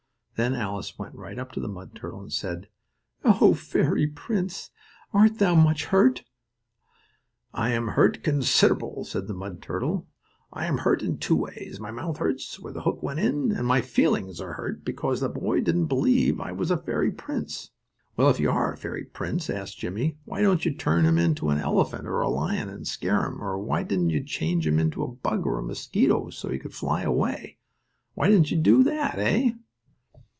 Then Alice went right up to the mud turtle and said: "O fairy prince, art thou much hurt?" "I am hurt considerable," said the mud turtle. "I am hurt in two ways. My mouth hurts where the hook went in, and my feelings are hurt because the boy didn't believe I was a fairy prince." "Well, if you are a fairy prince," asked Jimmie, "why didn't you turn him into an elephant or a lion and scare him, or why didn't you change him into a bug or a mosquito, so he could fly away? Why didn't you do that, eh?"